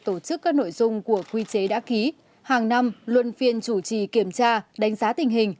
tổ chức các nội dung của quy chế đã ký hàng năm luân phiên chủ trì kiểm tra đánh giá tình hình